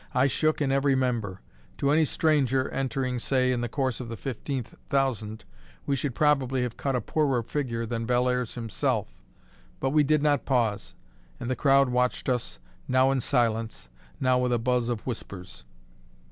I shook in every member. To any stranger entering (say) in the course of the fifteenth thousand, we should probably have cut a poorer figure than Bellairs himself. But we did not pause; and the crowd watched us, now in silence, now with a buzz of whispers.